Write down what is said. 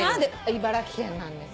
茨城県なんです。